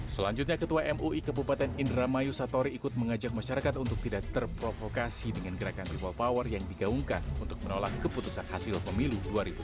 selanjutnya ketua mui kabupaten indramayu satori ikut mengajak masyarakat untuk tidak terprovokasi dengan gerakan people power yang digaungkan untuk menolak keputusan hasil pemilu dua ribu sembilan belas